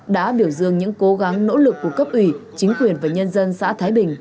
đã biểu dương những cố gắng nỗ lực của cấp ủy chính quyền và nhân dân xã thái bình